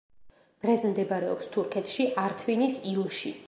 დღეს მდებარეობს თურქეთში, ართვინის ილში.